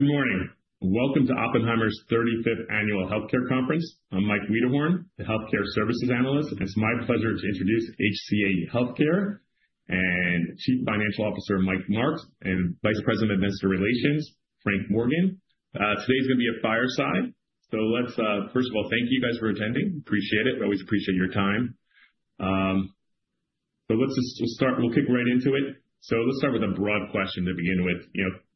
Good morning. Welcome to Oppenheimer's 35th Annual Healthcare Conference. I'm Mike Wiederhorn, the Healthcare Services Analyst. It's my pleasure to introduce HCA Healthcare and Chief Financial Officer Mike Marks and Vice President of Investor Relations, Frank Morgan. Today's going to be a fireside. First of all, thank you guys for attending. Appreciate it. We always appreciate your time. Let's just start. We'll kick right into it. Let's start with a broad question to begin with.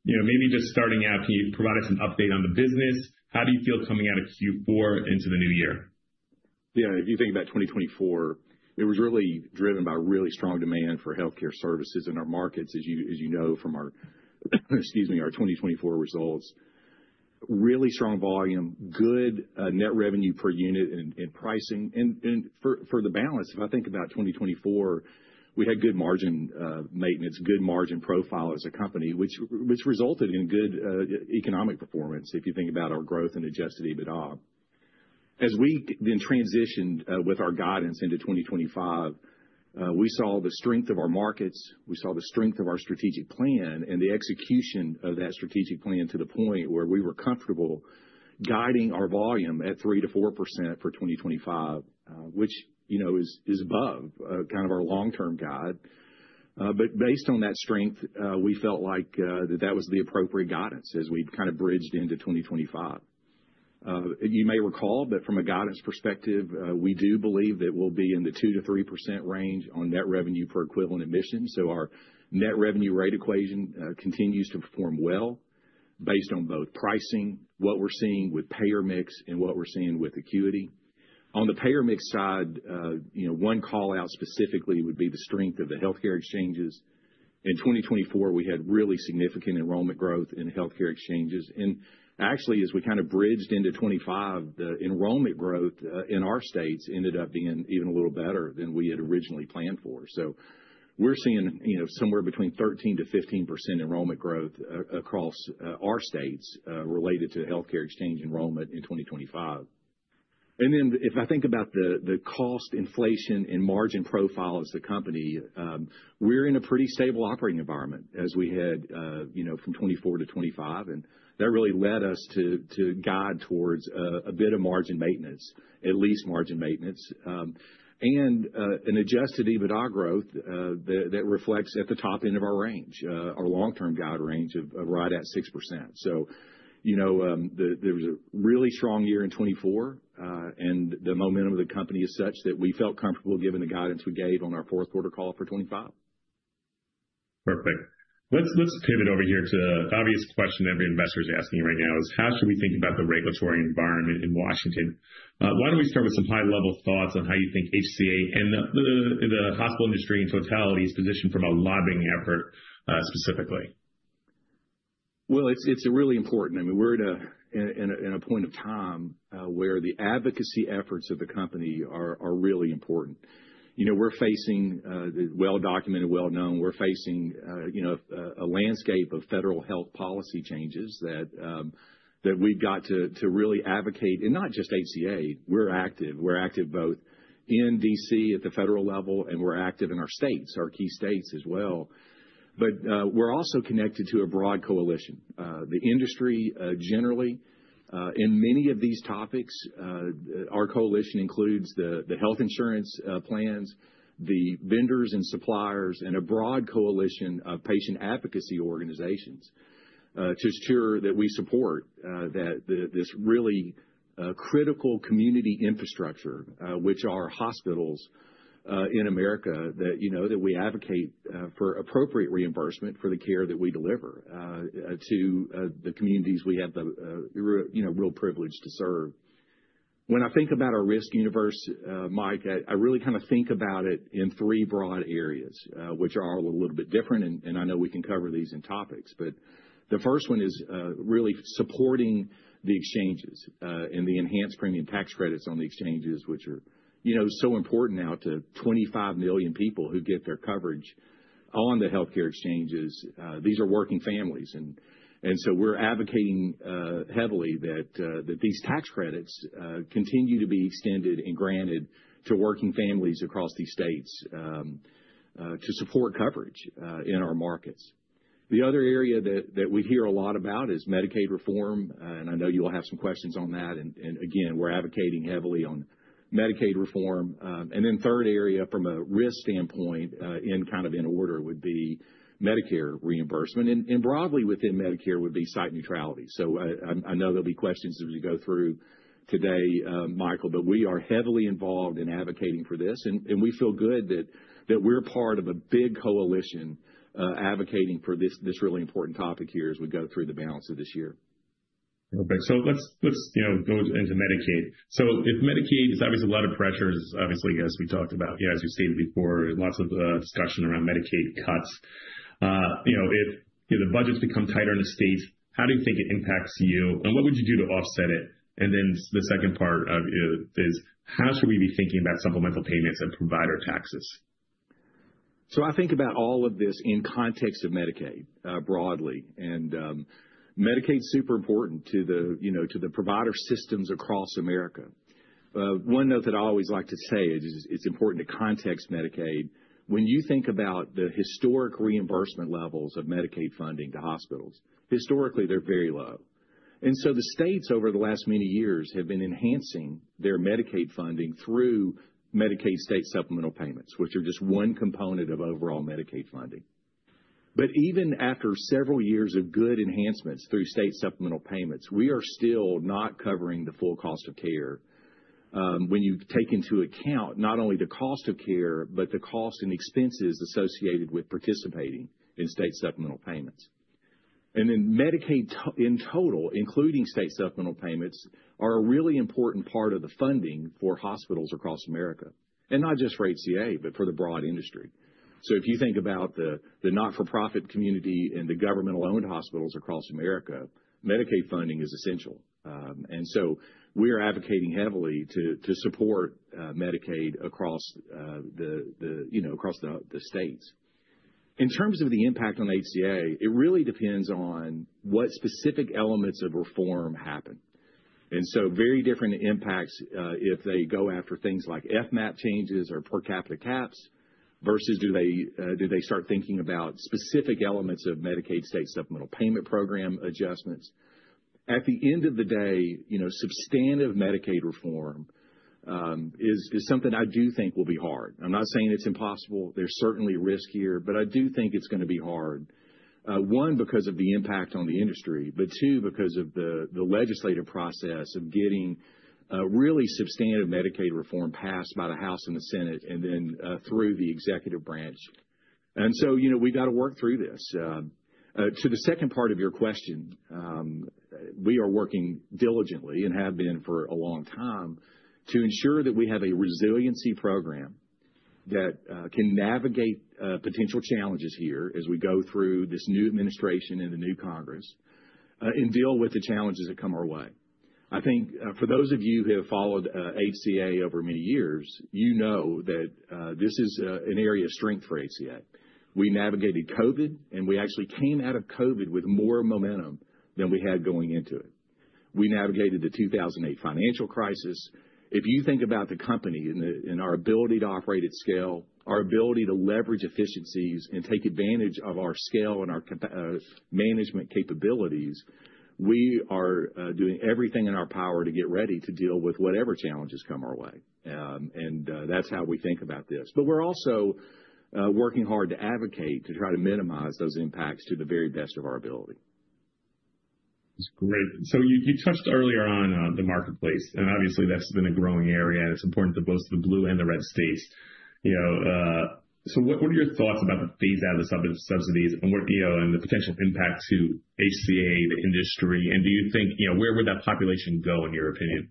You know, maybe just starting out, can you provide us an update on the business? How do you feel coming out of Q4 into the new year? Yeah, if you think about 2024, it was really driven by really strong demand for healthcare services in our markets, as you know from our, excuse me, our 2024 results. Really strong volume, good net revenue per unit and pricing. For the balance, if I think about 2024, we had good margin maintenance, good margin profile as a company, which resulted in good economic performance if you think about our growth and adjusted EBITDA. As we then transitioned with our guidance into 2025, we saw the strength of our markets, we saw the strength of our strategic plan, and the execution of that strategic plan to the point where we were comfortable guiding our volume at 3-4% for 2025, which, you know, is above kind of our long-term guide. Based on that strength, we felt like that was the appropriate guidance as we kind of bridged into 2025. You may recall that from a guidance perspective, we do believe that we'll be in the 2-3% range on net revenue per equivalent admission. So our net revenue rate equation continues to perform well based on both pricing, what we're seeing with payer mix, and what we're seeing with acuity. On the payer mix side, you know, one call out specifically would be the strength of the healthcare exchanges. In 2024, we had really significant enrollment growth in healthcare exchanges. Actually, as we kind of bridged into 2025, the enrollment growth in our states ended up being even a little better than we had originally planned for. We're seeing, you know, somewhere between 13-15% enrollment growth across our states related to healthcare exchange enrollment in 2025. If I think about the cost, inflation, and margin profile as the company, we're in a pretty stable operating environment as we had, you know, from 2024 to 2025. That really led us to guide towards a bit of margin maintenance, at least margin maintenance. An adjusted EBITDA growth that reflects at the top end of our range, our long-term guide range of right at 6%. You know, there was a really strong year in 2024, and the momentum of the company is such that we felt comfortable giving the guidance we gave on our fourth quarter call for 2025. Perfect. Let's pivot over here to the obvious question every investor is asking right now is, how should we think about the regulatory environment in Washington? Why don't we start with some high-level thoughts on how you think HCA and the hospital industry in totality is positioned from a lobbying effort specifically? It's really important. I mean, we're in a point of time where the advocacy efforts of the company are really important. You know, we're facing the well-documented, well-known, we're facing, you know, a landscape of federal health policy changes that we've got to really advocate and not just HCA, we're active. We're active both in D.C. at the federal level and we're active in our states, our key states as well. You know, we're also connected to a broad coalition. The industry generally, in many of these topics, our coalition includes the health insurance plans, the vendors and suppliers, and a broad coalition of patient advocacy organizations to ensure that we support this really critical community infrastructure, which are hospitals in America that, you know, that we advocate for appropriate reimbursement for the care that we deliver to the communities we have the, you know, real privilege to serve. When I think about our risk universe, Mike, I really kind of think about it in three broad areas, which are all a little bit different, and I know we can cover these in topics. The first one is really supporting the exchanges and the enhanced premium tax credits on the exchanges, which are, you know, so important now to 25 million people who get their coverage on the healthcare exchanges. These are working families. You know, we're advocating heavily that these tax credits continue to be extended and granted to working families across these states to support coverage in our markets. The other area that we hear a lot about is Medicaid reform, and I know you'll have some questions on that. We're advocating heavily on Medicaid reform. The third area from a risk standpoint in kind of in order would be Medicare reimbursement. Broadly within Medicare would be site neutrality. I know there will be questions as we go through today, Michael, but we are heavily involved in advocating for this. We feel good that we are part of a big coalition advocating for this really important topic here as we go through the balance of this year. Perfect. Let's, you know, go into Medicaid. Medicaid is obviously a lot of pressures, obviously, as we talked about, you know, as you stated before, lots of discussion around Medicaid cuts. If the budgets become tighter in the states, how do you think it impacts you? What would you do to offset it? The second part is, how should we be thinking about supplemental payments and provider taxes? I think about all of this in context of Medicaid broadly. Medicaid is super important to the, you know, to the provider systems across America. One note that I always like to say is it's important to context Medicaid. When you think about the historic reimbursement levels of Medicaid funding to hospitals, historically they're very low. The states over the last many years have been enhancing their Medicaid funding through Medicaid state supplemental payments, which are just one component of overall Medicaid funding. Even after several years of good enhancements through state supplemental payments, we are still not covering the full cost of care when you take into account not only the cost of care, but the cost and expenses associated with participating in state supplemental payments. Medicaid in total, including state supplemental payments, are a really important part of the funding for hospitals across America. Not just for HCA, but for the broad industry. If you think about the not-for-profit community and the government-owned hospitals across America, Medicaid funding is essential. We are advocating heavily to support Medicaid across the, you know, across the states. In terms of the impact on HCA, it really depends on what specific elements of reform happen. Very different impacts if they go after things like FMAP changes or per capita caps versus do they start thinking about specific elements of Medicaid state supplemental payment program adjustments. At the end of the day, you know, substantive Medicaid reform is something I do think will be hard. I'm not saying it's impossible. There's certainly risk here, but I do think it's going to be hard. One, because of the impact on the industry, but two, because of the legislative process of getting really substantive Medicaid reform passed by the House and the Senate and then through the executive branch. You know, we've got to work through this. To the second part of your question, we are working diligently and have been for a long time to ensure that we have a resiliency program that can navigate potential challenges here as we go through this new administration and the new Congress and deal with the challenges that come our way. I think for those of you who have followed HCA over many years, you know that this is an area of strength for HCA. We navigated COVID, and we actually came out of COVID with more momentum than we had going into it. We navigated the 2008 financial crisis. If you think about the company and our ability to operate at scale, our ability to leverage efficiencies and take advantage of our scale and our management capabilities, we are doing everything in our power to get ready to deal with whatever challenges come our way. That is how we think about this. We are also working hard to advocate to try to minimize those impacts to the very best of our ability. That's great. You touched earlier on the marketplace, and obviously that's been a growing area, and it's important to both the blue and the red states. You know, what are your thoughts about the phase-out of the subsidies and the potential impact to HCA, the industry? You know, where would that population go in your opinion?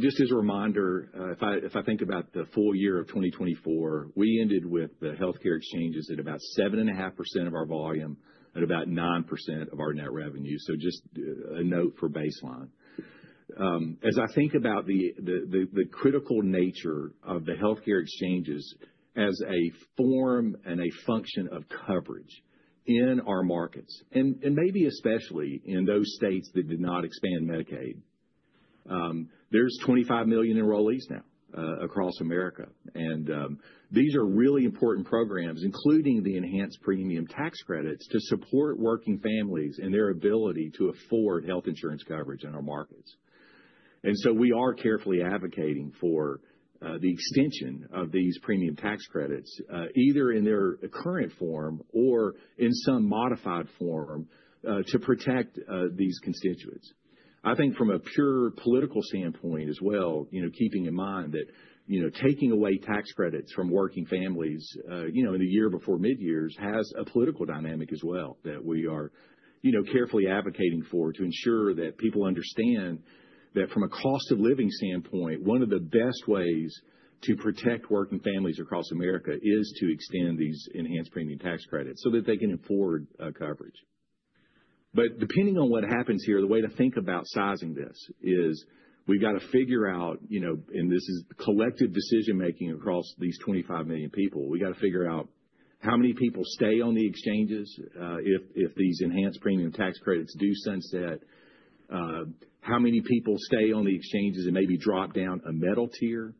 Just as a reminder, if I think about the full year of 2024, we ended with the healthcare exchanges at about 7.5% of our volume and about 9% of our net revenue. Just a note for baseline. As I think about the critical nature of the healthcare exchanges as a form and a function of coverage in our markets, and maybe especially in those states that did not expand Medicaid, there are 25 million enrollees now across America. These are really important programs, including the enhanced premium tax credits to support working families and their ability to afford health insurance coverage in our markets. We are carefully advocating for the extension of these premium tax credits, either in their current form or in some modified form to protect these constituents. I think from a pure political standpoint as well, you know, keeping in mind that, you know, taking away tax credits from working families, you know, in the year before midterms has a political dynamic as well that we are, you know, carefully advocating for to ensure that people understand that from a cost of living standpoint, one of the best ways to protect working families across America is to extend these enhanced premium tax credits so that they can afford coverage. Depending on what happens here, the way to think about sizing this is we've got to figure out, you know, and this is collective decision-making across these 25 million people, we've got to figure out how many people stay on the exchanges if these enhanced premium tax credits do sunset, how many people stay on the exchanges and maybe drop down a metal tier.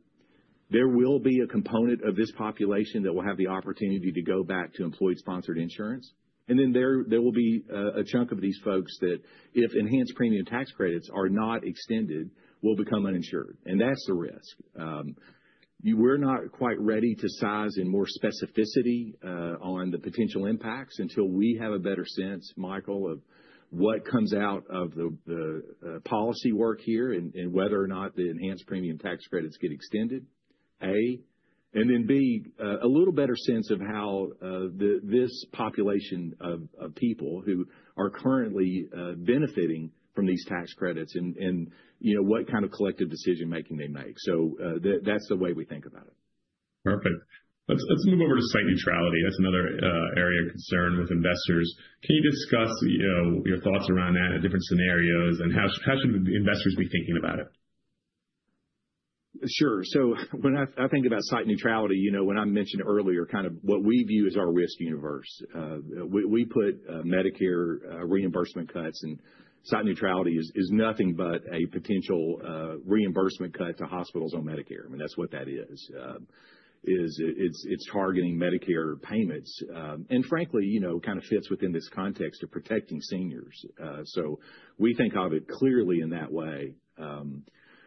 There will be a component of this population that will have the opportunity to go back to employer-sponsored insurance. There will be a chunk of these folks that if enhanced premium tax credits are not extended, will become uninsured. That's the risk. We're not quite ready to size in more specificity on the potential impacts until we have a better sense, Michael, of what comes out of the policy work here and whether or not the enhanced premium tax credits get extended, A, and then B, a little better sense of how this population of people who are currently benefiting from these tax credits and, you know, what kind of collective decision-making they make. That's the way we think about it. Perfect. Let's move over to site neutrality. That's another area of concern with investors. Can you discuss, you know, your thoughts around that in different scenarios and how should investors be thinking about it? Sure. When I think about site neutrality, you know, when I mentioned earlier kind of what we view as our risk universe, we put Medicare reimbursement cuts and site neutrality is nothing but a potential reimbursement cut to hospitals on Medicare. I mean, that's what that is. It's targeting Medicare payments. And frankly, you know, kind of fits within this context of protecting seniors. We think of it clearly in that way.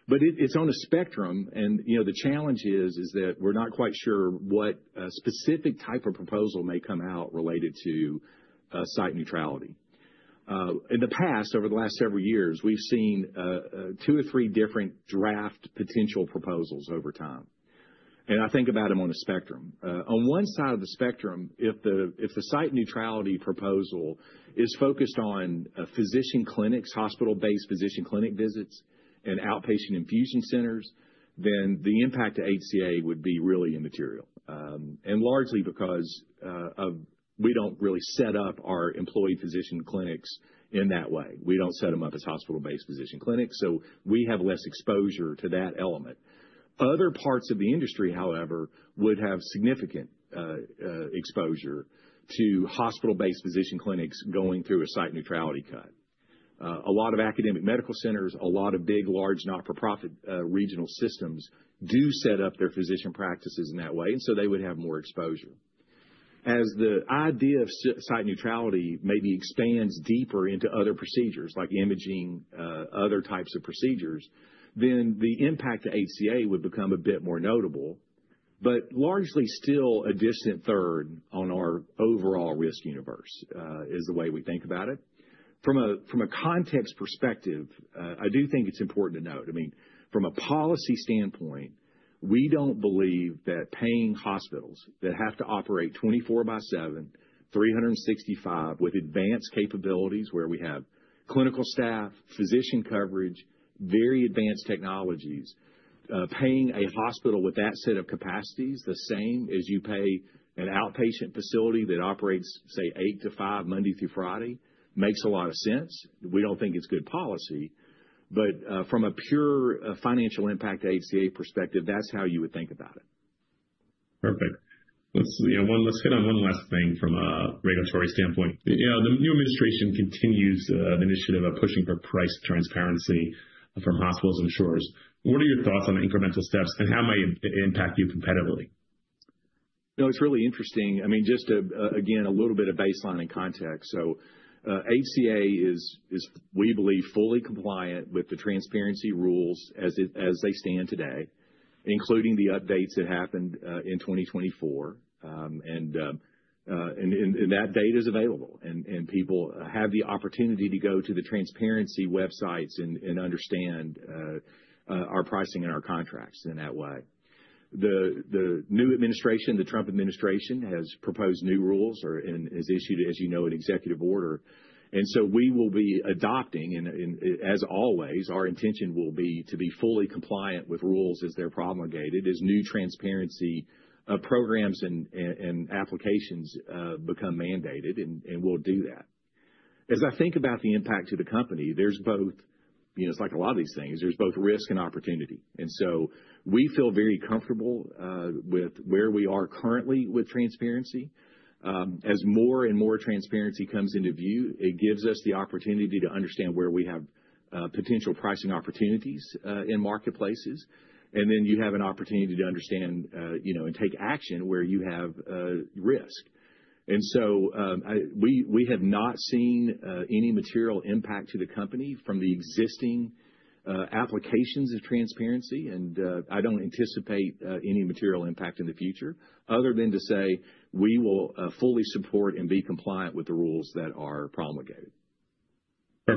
It's on a spectrum. You know, the challenge is that we're not quite sure what specific type of proposal may come out related to site neutrality. In the past, over the last several years, we've seen two or three different draft potential proposals over time. I think about them on a spectrum. On one side of the spectrum, if the site neutrality proposal is focused on physician clinics, hospital-based physician clinic visits and outpatient infusion centers, then the impact to HCA would be really immaterial. Largely because we do not really set up our employee physician clinics in that way. We do not set them up as hospital-based physician clinics. We have less exposure to that element. Other parts of the industry, however, would have significant exposure to hospital-based physician clinics going through a site neutrality cut. A lot of academic medical centers, a lot of big, large not-for-profit regional systems do set up their physician practices in that way. They would have more exposure. As the idea of site neutrality maybe expands deeper into other procedures like imaging, other types of procedures, then the impact to HCA would become a bit more notable. Largely still a distant third on our overall risk universe is the way we think about it. From a context perspective, I do think it's important to note. I mean, from a policy standpoint, we don't believe that paying hospitals that have to operate 24 by 7, 365 with advanced capabilities where we have clinical staff, physician coverage, very advanced technologies, paying a hospital with that set of capacities the same as you pay an outpatient facility that operates, say, 8 to 5 Monday through Friday makes a lot of sense. We don't think it's good policy. From a pure financial impact to HCA perspective, that's how you would think about it. Perfect. Let's, you know, let's hit on one last thing from a regulatory standpoint. You know, the new administration continues the initiative of pushing for price transparency from hospitals and insurers. What are your thoughts on incremental steps and how might it impact you competitively? You know, it's really interesting. I mean, just again, a little bit of baseline and context. HCA is, we believe, fully compliant with the transparency rules as they stand today, including the updates that happened in 2024. That data is available. People have the opportunity to go to the transparency websites and understand our pricing and our contracts in that way. The new administration, the Trump administration, has proposed new rules or has issued, as you know, an executive order. We will be adopting, and as always, our intention will be to be fully compliant with rules as they're promulgated as new transparency programs and applications become mandated, and we'll do that. As I think about the impact to the company, there's both, you know, it's like a lot of these things, there's both risk and opportunity. We feel very comfortable with where we are currently with transparency. As more and more transparency comes into view, it gives us the opportunity to understand where we have potential pricing opportunities in marketplaces. You have an opportunity to understand, you know, and take action where you have risk. We have not seen any material impact to the company from the existing applications of transparency. I do not anticipate any material impact in the future other than to say we will fully support and be compliant with the rules that are promulgated.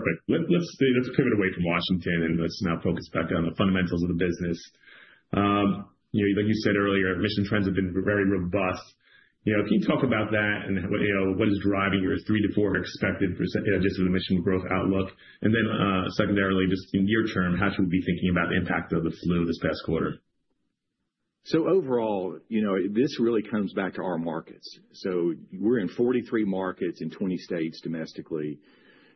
Perfect. Let's pivot away from Washington and let's now focus back on the fundamentals of the business. You know, like you said earlier, admission trends have been very robust. You know, can you talk about that and what is driving your 3-4% expected, you know, just of the admission growth outlook? And then secondarily, just in your term, how should we be thinking about the impact of the flu this past quarter? Overall, you know, this really comes back to our markets. We're in 43 markets in 20 states domestically.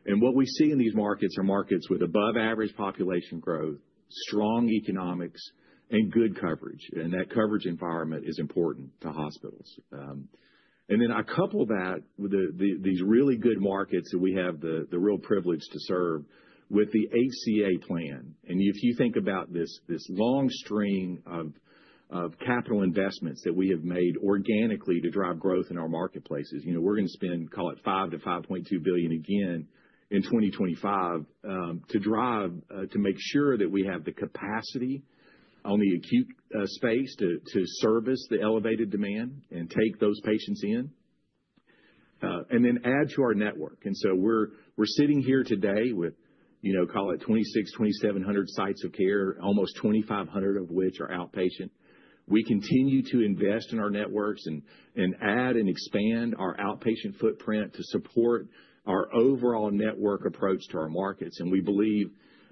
What we see in these markets are markets with above-average population growth, strong economics, and good coverage. That coverage environment is important to hospitals. I couple that with these really good markets that we have the real privilege to serve with the HCA plan. If you think about this long string of capital investments that we have made organically to drive growth in our marketplaces, you know, we're going to spend, call it $5 billion-$5.2 billion again in 2025 to drive, to make sure that we have the capacity on the acute space to service the elevated demand and take those patients in and then add to our network. We're sitting here today with, you know, call it 26, 2,700 sites of care, almost 2,500 of which are outpatient. We continue to invest in our networks and add and expand our outpatient footprint to support our overall network approach to our markets. We believe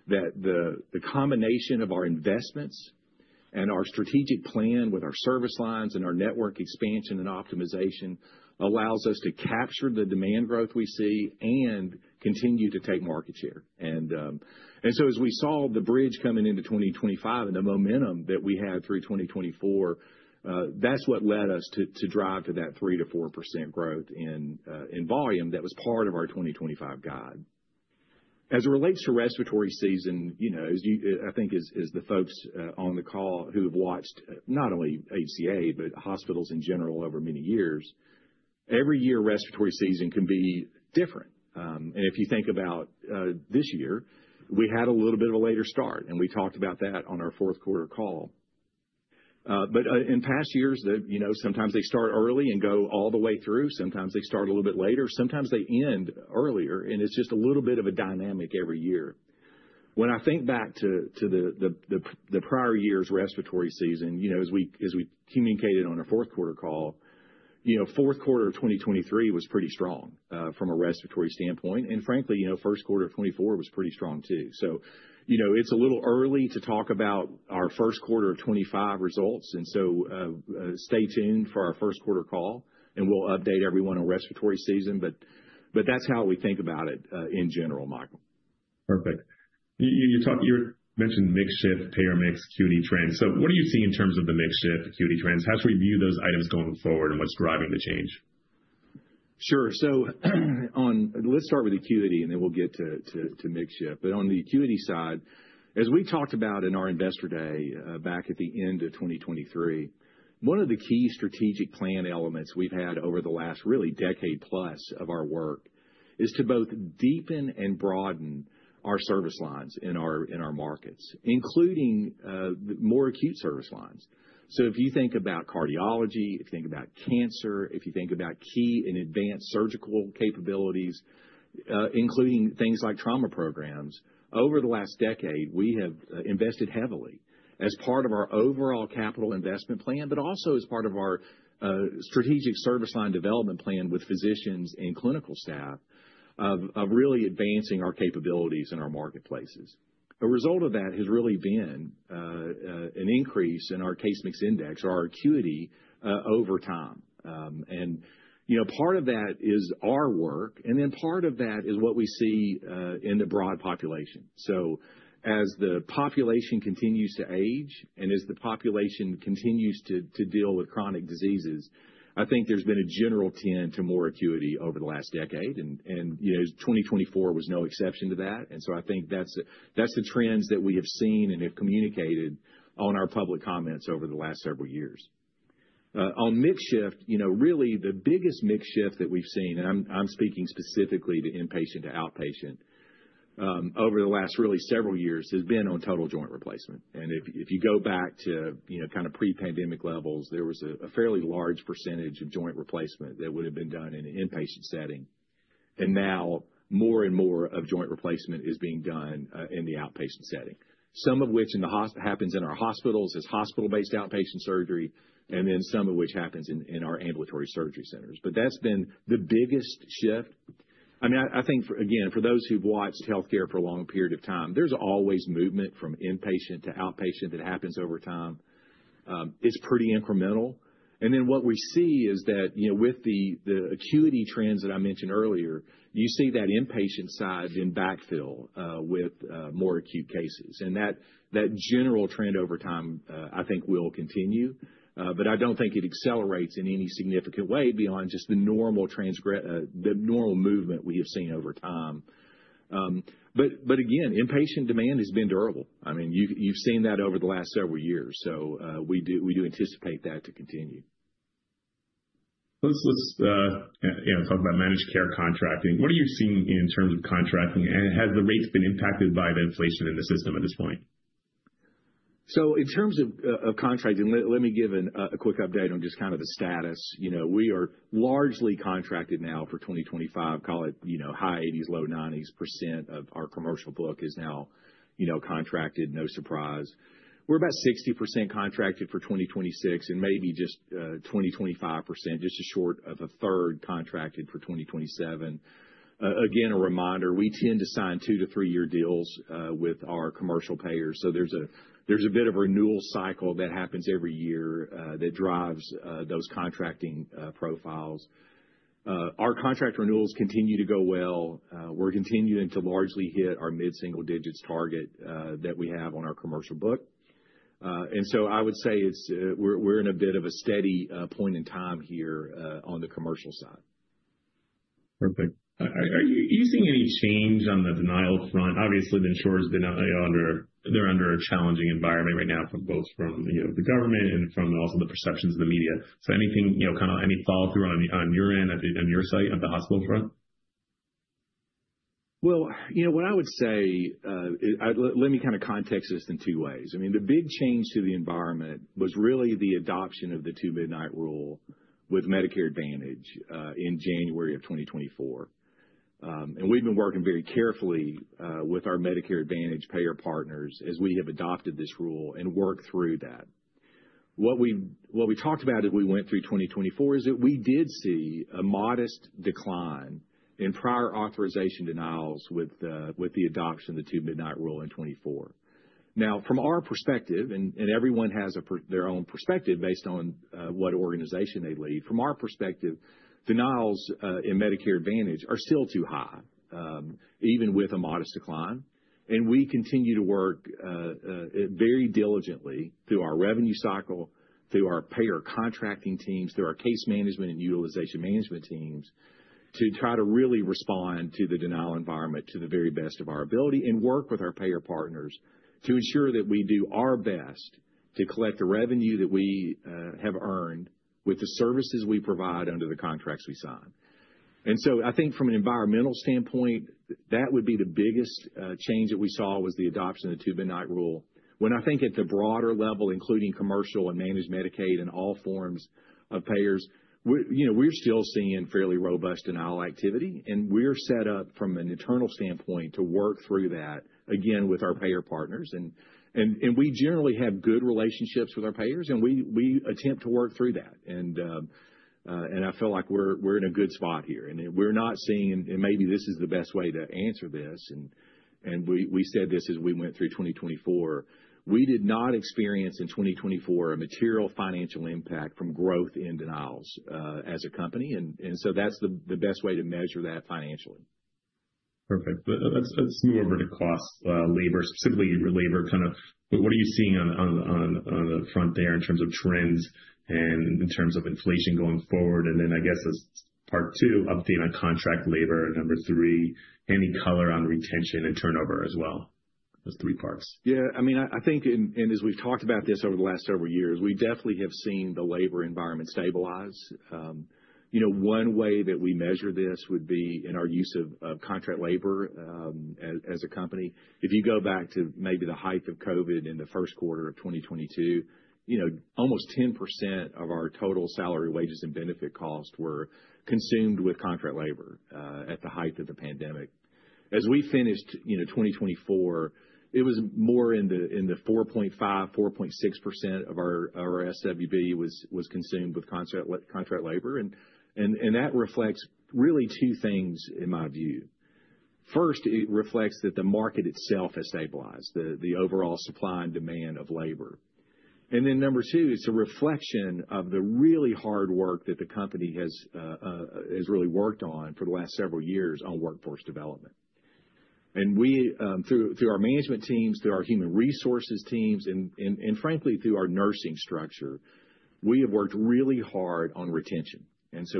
that the combination of our investments and our strategic plan with our service lines and our network expansion and optimization allows us to capture the demand growth we see and continue to take market share. As we saw the bridge coming into 2025 and the momentum that we had through 2024, that's what led us to drive to that 3-4% growth in volume that was part of our 2025 guide. As it relates to respiratory season, you know, as I think as the folks on the call who have watched not only HCA, but hospitals in general over many years, every year respiratory season can be different. If you think about this year, we had a little bit of a later start, and we talked about that on our fourth quarter call. In past years, you know, sometimes they start early and go all the way through. Sometimes they start a little bit later. Sometimes they end earlier. It is just a little bit of a dynamic every year. When I think back to the prior year's respiratory season, you know, as we communicated on our fourth quarter call, you know, fourth quarter of 2023 was pretty strong from a respiratory standpoint. Frankly, you know, first quarter of 2024 was pretty strong too. You know, it's a little early to talk about our first quarter of 2025 results. Stay tuned for our first quarter call, and we'll update everyone on respiratory season. That's how we think about it in general, Michael. Perfect. You mentioned mix shift, payer mix, acuity trends. What are you seeing in terms of the mix shift, acuity trends? How should we view those items going forward and what is driving the change? Sure. Let's start with acuity, and then we'll get to mix shift. On the acuity side, as we talked about in our investor day back at the end of 2023, one of the key strategic plan elements we've had over the last really decade plus of our work is to both deepen and broaden our service lines in our markets, including more acute service lines. If you think about cardiology, if you think about cancer, if you think about key and advanced surgical capabilities, including things like trauma programs, over the last decade, we have invested heavily as part of our overall capital investment plan, but also as part of our strategic service line development plan with physicians and clinical staff of really advancing our capabilities in our marketplaces. A result of that has really been an increase in our case mix index or our acuity over time. You know, part of that is our work. Part of that is what we see in the broad population. As the population continues to age and as the population continues to deal with chronic diseases, I think there's been a general tend to more acuity over the last decade. You know, 2024 was no exception to that. I think that's the trends that we have seen and have communicated on our public comments over the last several years. On mix shift, you know, really the biggest mix shift that we've seen, and I'm speaking specifically to inpatient to outpatient over the last really several years, has been on total joint replacement. If you go back to, you know, kind of pre-pandemic levels, there was a fairly large percentage of joint replacement that would have been done in an inpatient setting. Now more and more of joint replacement is being done in the outpatient setting, some of which happens in our hospitals as hospital-based outpatient surgery, and then some of which happens in our ambulatory surgery centers. That's been the biggest shift. I mean, I think, again, for those who've watched healthcare for a long period of time, there's always movement from inpatient to outpatient that happens over time. It's pretty incremental. What we see is that, you know, with the acuity trends that I mentioned earlier, you see that inpatient side then backfill with more acute cases. That general trend over time, I think, will continue. I don't think it accelerates in any significant way beyond just the normal movement we have seen over time. I mean, you've seen that over the last several years. We do anticipate that to continue. Let's, you know, talk about managed care contracting. What are you seeing in terms of contracting? Has the rates been impacted by the inflation in the system at this point? In terms of contracting, let me give a quick update on just kind of the status. You know, we are largely contracted now for 2025, call it, you know, high 80s-low 90s % of our commercial book is now, you know, contracted, no surprise. We are about 60% contracted for 2026 and maybe just 25%, just a short of a third contracted for 2027. Again, a reminder, we tend to sign two to three-year deals with our commercial payers. There is a bit of a renewal cycle that happens every year that drives those contracting profiles. Our contract renewals continue to go well. We are continuing to largely hit our mid-single digits target that we have on our commercial book. I would say we are in a bit of a steady point in time here on the commercial side. Perfect. Are you seeing any change on the denial front? Obviously, the insurers' denial, they're under a challenging environment right now from both, you know, the government and from also the perceptions of the media. Anything, you know, kind of any follow-through on your end, on your side of the hospital front? You know, what I would say, let me kind of context this in two ways. I mean, the big change to the environment was really the adoption of the Two-Midnight Rule with Medicare Advantage in January of 2024. We have been working very carefully with our Medicare Advantage payer partners as we have adopted this rule and worked through that. What we talked about as we went through 2024 is that we did see a modest decline in prior authorization denials with the adoption of the Two-Midnight Rule in 2024. Now, from our perspective, and everyone has their own perspective based on what organization they lead, from our perspective, denials in Medicare Advantage are still too high, even with a modest decline. We continue to work very diligently through our revenue cycle, through our payer contracting teams, through our case management and utilization management teams to try to really respond to the denial environment to the very best of our ability and work with our payer partners to ensure that we do our best to collect the revenue that we have earned with the services we provide under the contracts we sign. I think from an environmental standpoint, that would be the biggest change that we saw was the adoption of the Two-Midnight Rule. When I think at the broader level, including commercial and managed Medicaid and all forms of payers, you know, we're still seeing fairly robust denial activity. We're set up from an internal standpoint to work through that, again, with our payer partners. We generally have good relationships with our payers. We attempt to work through that. I feel like we're in a good spot here. We're not seeing, and maybe this is the best way to answer this, and we said this as we went through 2024, we did not experience in 2024 a material financial impact from growth in denials as a company. That's the best way to measure that financially. Perfect. Let's move over to cost labor, specifically labor kind of. What are you seeing on the front there in terms of trends and in terms of inflation going forward? I guess as part two, update on contract labor, number three, any color on retention and turnover as well. Those three parts. Yeah. I mean, I think, and as we've talked about this over the last several years, we definitely have seen the labor environment stabilize. You know, one way that we measure this would be in our use of contract labor as a company. If you go back to maybe the height of COVID in the first quarter of 2022, you know, almost 10% of our total salary, wages, and benefit costs were consumed with contract labor at the height of the pandemic. As we finished, you know, 2024, it was more in the 4.5-4.6% of our SWB was consumed with contract labor. That reflects really two things in my view. First, it reflects that the market itself has stabilized, the overall supply and demand of labor. Number two, it's a reflection of the really hard work that the company has really worked on for the last several years on workforce development. We, through our management teams, through our human resources teams, and frankly, through our nursing structure, have worked really hard on retention.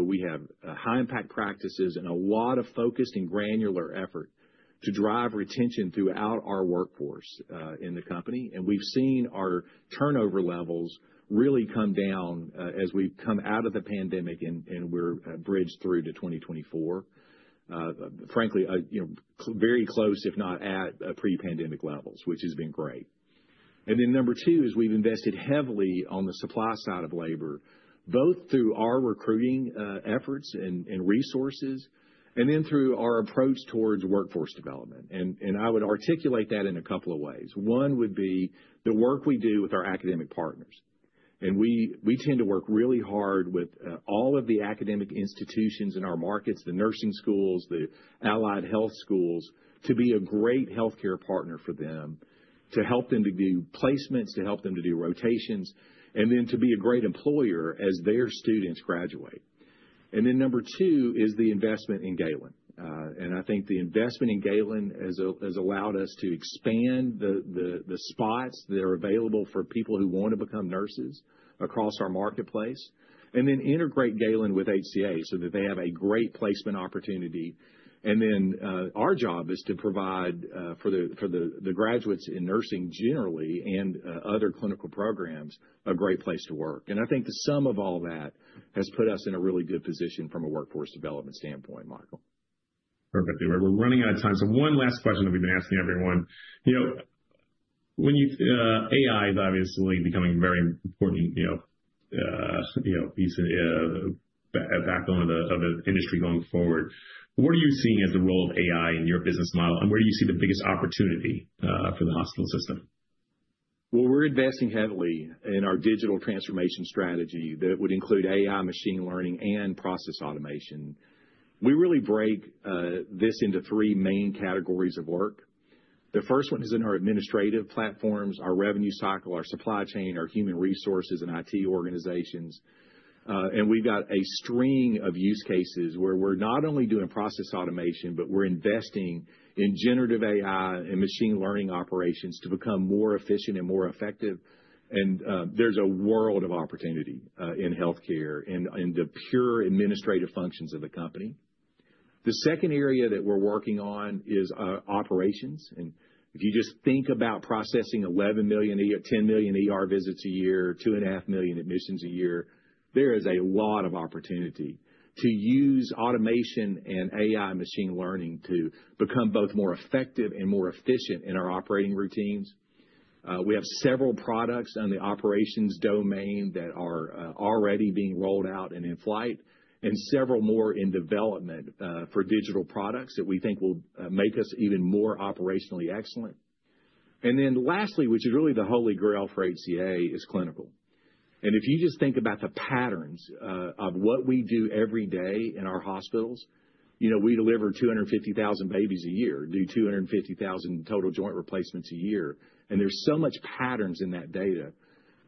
We have high-impact practices and a lot of focused and granular effort to drive retention throughout our workforce in the company. We've seen our turnover levels really come down as we've come out of the pandemic and we're bridged through to 2024. Frankly, you know, very close, if not at pre-pandemic levels, which has been great. Number two is we've invested heavily on the supply side of labor, both through our recruiting efforts and resources and then through our approach towards workforce development. I would articulate that in a couple of ways. One would be the work we do with our academic partners. We tend to work really hard with all of the academic institutions in our markets, the nursing schools, the allied health schools, to be a great healthcare partner for them, to help them to do placements, to help them to do rotations, and to be a great employer as their students graduate. Number two is the investment in Galen. I think the investment in Galen has allowed us to expand the spots that are available for people who want to become nurses across our marketplace and integrate Galen with HCA so that they have a great placement opportunity. Our job is to provide for the graduates in nursing generally and other clinical programs a great place to work. I think the sum of all that has put us in a really good position from a workforce development standpoint, Michael. Perfect. We're running out of time. So one last question that we've been asking everyone. You know, AI is obviously becoming a very important, you know, piece of backbone of the industry going forward. What are you seeing as the role of AI in your business model? And where do you see the biggest opportunity for the hospital system? We're investing heavily in our digital transformation strategy that would include AI, machine learning, and process automation. We really break this into three main categories of work. The first one is in our administrative platforms, our revenue cycle, our supply chain, our human resources and IT organizations. We've got a string of use cases where we're not only doing process automation, but we're investing in generative AI and machine learning operations to become more efficient and more effective. There's a world of opportunity in healthcare and the pure administrative functions of the company. The second area that we're working on is operations. If you just think about processing 11 million, 10 million visits a year, two and a half million admissions a year, there is a lot of opportunity to use automation and AI machine learning to become both more effective and more efficient in our operating routines. We have several products on the operations domain that are already being rolled out and in flight and several more in development for digital products that we think will make us even more operationally excellent. Lastly, which is really the holy grail for HCA Healthcare, is clinical. If you just think about the patterns of what we do every day in our hospitals, you know, we deliver 250,000 babies a year, do 250,000 total joint replacements a year. There is so much patterns in that data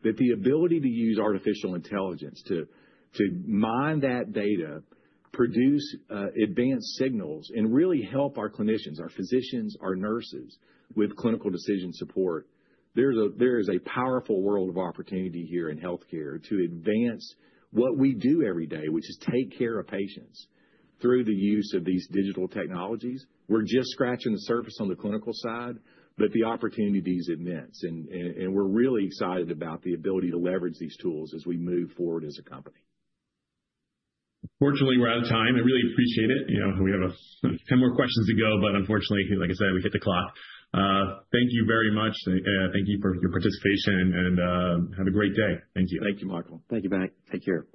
that the ability to use artificial intelligence to mine that data, produce advanced signals and really help our clinicians, our physicians, our nurses with clinical decision support. There is a powerful world of opportunity here in healthcare to advance what we do every day, which is take care of patients through the use of these digital technologies. We're just scratching the surface on the clinical side, but the opportunity is immense. We're really excited about the ability to leverage these tools as we move forward as a company. Fortunately, we're out of time. I really appreciate it. You know, we have a few more questions to go, but unfortunately, like I said, we hit the clock. Thank you very much. Thank you for your participation and have a great day. Thank you. Thank you, Michael. Thank you, Mike. Take care.